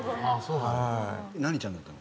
何ちゃんだったの？